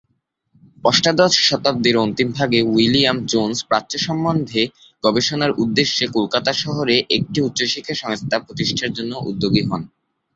অষ্টাদশ শতাব্দীর অন্তিম ভাগে উইলিয়াম জোনস প্রাচ্য সম্বন্ধে গবেষণার উদ্দেশ্যে কলকাতা শহরে একটি উচ্চশিক্ষা সংস্থা প্রতিষ্ঠার জন্য উদ্যোগী হন।